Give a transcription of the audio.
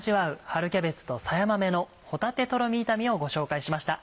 「春キャベツとさや豆の帆立とろみ炒め」をご紹介しました。